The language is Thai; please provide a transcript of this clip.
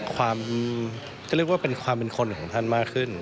ความก็เรียกว่าเป็นความเป็นคนของท่านมากขึ้น